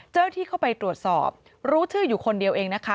ที่เข้าไปตรวจสอบรู้ชื่ออยู่คนเดียวเองนะคะ